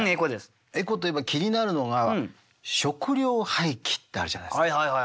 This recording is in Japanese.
エコといえば気になるのが食料廃棄ってあるじゃないですか。